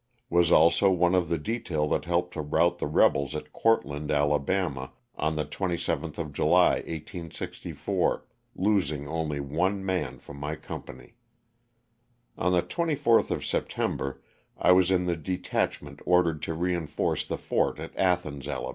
Was also one of the detail that helped to rout the rebels at Oourtland, Ala., on the 27th of July, 1864, losing only one man from my company. On the 24th of September I was in the detachment ordered to reinforce the fort at Athens, Ala.